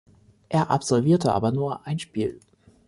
Er absolvierte aber nur ein Spiel.